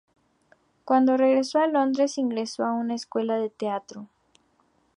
Cuando regresó a Londres ingresó a una escuela de teatro.